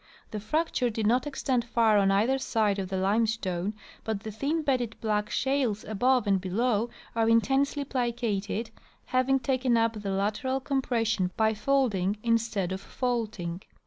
The fracture did not extend far on either side of the limestone, but the thin bedded black shales above and below are intensely plicated, having taken up the lateral compression by folding instead of faulting.